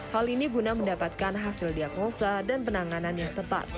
hal ini guna mendapatkan hasil diagnosa dan penanganan yang tepat